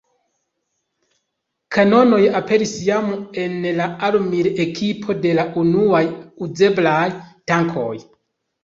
Kanonoj aperis jam en la armil-ekipo de la unuaj uzeblaj tankoj.